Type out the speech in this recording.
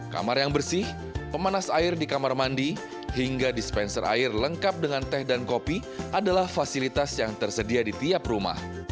kamar yang bersih pemanas air di kamar mandi hingga dispenser air lengkap dengan teh dan kopi adalah fasilitas yang tersedia di tiap rumah